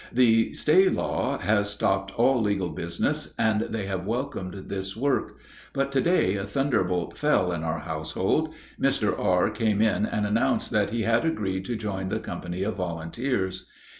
The stay law has stopped all legal business, and they have welcomed this work. But to day a thunderbolt fell in our household. Mr. R. came in and announced that he had agreed to join the company of volunteers.